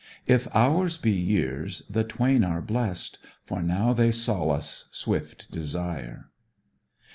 If hours be years the twain are blest For now they solace swift desire.